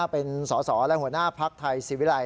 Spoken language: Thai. เป็นสอสอและหัวหน้าภักดิ์ไทยศิวิลัย